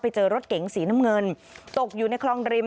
ไปเจอรถเก๋งสีน้ำเงินตกอยู่ในคลองริม